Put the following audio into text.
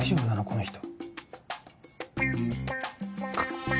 この人。